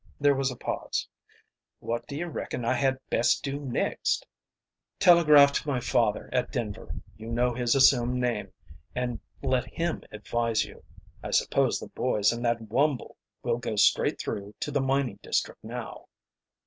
There was a pause. "What do you reckon I had best do next?" "Telegraph to my father at Denver you know his assumed name, and let him advise you. I suppose the boys and that Wumble will go straight through to the mining district now."